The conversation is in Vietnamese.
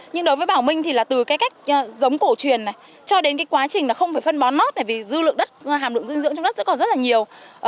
nhưng đối với bảo minh thì là từ cái cách giống cổ truyền này cho đến cái quá trình là không phải phân bón mót này vì dư lượng đất hàm lượng dư dưỡng trong đất sẽ còn rất là nhiều